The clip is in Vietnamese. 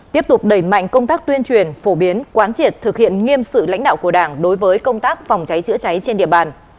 tiếp tục đẩy mạnh công tác tuyên truyền phổ biến quán triệt thực hiện nghiêm sự lãnh đạo của đảng đối với công tác phòng cháy chữa cháy trên địa bàn